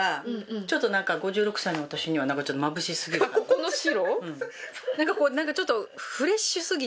ここの白？